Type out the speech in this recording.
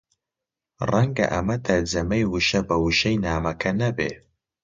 ڕەنگە ئەمە تەرجەمەی وشە بە وشەی نامەکە نەبێ